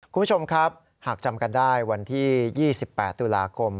คุณผู้ชมครับหากจำกันได้วันที่๒๘ตุลาคม